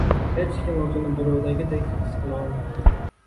Hech kim o‘zini birovdagidek his qila olmaydi.